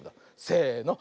せの。